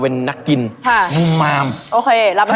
เราเกินเข้าไป